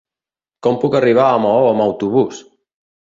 Com puc arribar a Maó amb autobús?